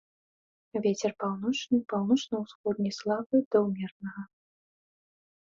Вецер паўночны, паўночна-ўсходні, слабы да ўмеранага.